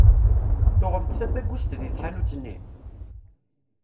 Tuɣem-d tabagust deg tḥanut-nni?